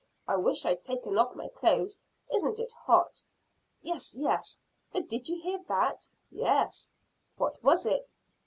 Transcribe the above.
I wish I'd taken off my clothes. Isn't it hot!" "Yes, yes; but did you hear that?" "Yes." "What was it?"